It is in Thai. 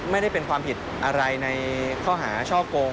ไม่ได้เป็นผิดอะไรในเคราะหาช่องโกง